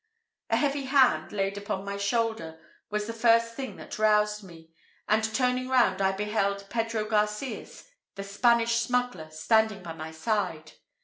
A heavy hand, laid upon my shoulder, was the first thing that roused me; and turning round, I beheld Pedro Garcias, the Spanish smuggler, standing by my side.